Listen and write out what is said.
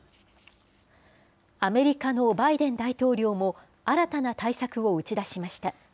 アメリカのバイデン大統領も新たな対策を打ち出しました。